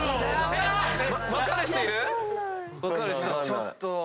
ちょっと。